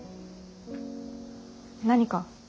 何か？